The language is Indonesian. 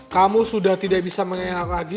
kamu sudah tidak bisa mengelak lagi